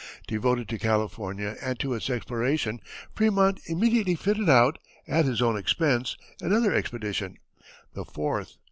Devoted to California and to its exploration Frémont immediately fitted out, at his own expense, another expedition, the fourth.